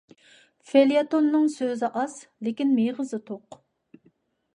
فېليەتوننىڭ سۆزى ئاز، لېكىن مېغىزى توق.